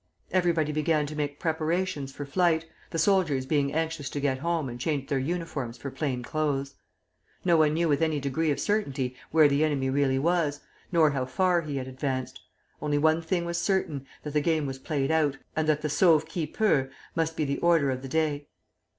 Everybody began to make preparations for flight, the soldiers being anxious to get home and change their uniforms for plain clothes. No one knew with any degree of certainty where the enemy really was, nor how far he had advanced; only one thing was certain, that the game was played out, and that sauve qui peut must be the order of the day.